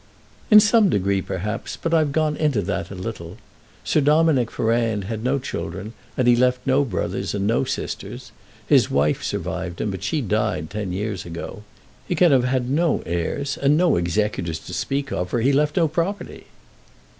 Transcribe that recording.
"In some degree perhaps; but I've gone into that a little. Sir Dominick Ferrand had no children, and he left no brothers and no sisters. His wife survived him, but she died ten years ago. He can have had no heirs and no executors to speak of, for he left no property."